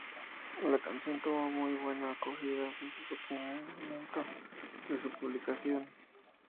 La canción tuvo muy buena acogida desde el primer momento de su publicación.